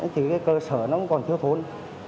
thì cái cơ sở nó còn thiếu thốn